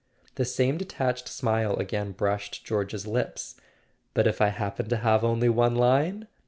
The same detached smile again brushed George's lips. "But if I happen to have only one line?"